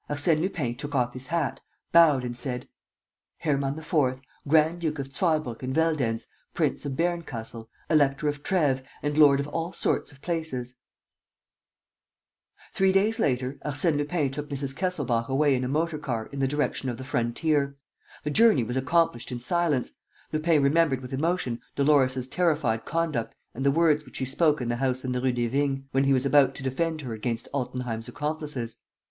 Arsène Lupin took off his hat, bowed and said: "Hermann IV., Grand duke of Zweibrucken Veldenz, Prince of Berncastel, Elector of Treves and lord of all sorts of places." Three days later, Arsène Lupin took Mrs. Kesselbach away in a motor car in the direction of the frontier. The journey was accomplished in silence, Lupin remembered with emotion Dolores's terrified conduct and the words which she spoke in the house in the Rue des Vignes, when he was about to defend her against Altenheim's accomplices.